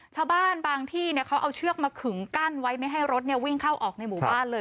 ชาวบ้านบางที่เขาเอาเชือกมาขึงกั้นไว้ไม่ให้รถวิ่งเข้าออกในหมู่บ้านเลย